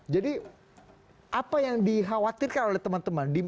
jadi apa yang dikhawatirkan oleh teman teman